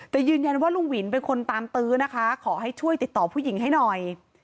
แต่ยืนยันว่าลุงวินเป็นคนตามตื้อนะคะขอให้ช่วยติดต่อผู้หญิงให้หน่อย